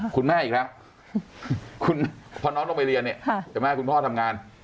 คุณแม่อีกแล้วพอน้องลงไปเรียนเนี่ยเห็นไหมคุณพ่อทำงาน